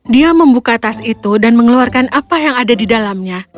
dia membuka tas itu dan mengeluarkan apa yang ada di dalamnya